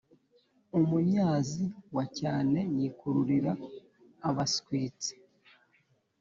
umunyazi wa cyane yikururira abaswitsi.